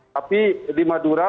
tapi di madura